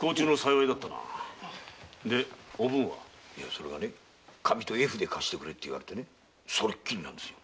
それが紙と絵筆を貸してくれって言われてそれっきりです。